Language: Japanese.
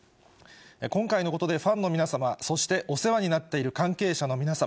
今回のことでファンの皆様、そしてお世話になっている関係者の皆様、